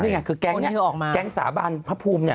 นี่ไงคือแก๊งนี้แก๊งสาบานพระภูมิเนี่ย